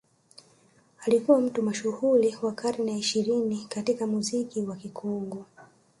Alikuwa mtu mashuhuri wa karne ya ishirini katika muziki wa Kikongo